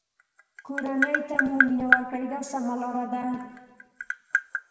کورنۍ ته مو مینه ورکړئ دا سمه لاره ده.